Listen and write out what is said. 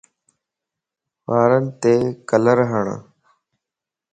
وارنت ڪلر ھڻ